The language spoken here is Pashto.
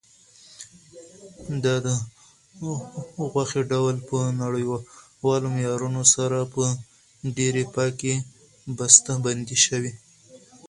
دا د غوښې ډول په نړیوالو معیارونو سره په ډېرې پاکۍ بسته بندي شوی.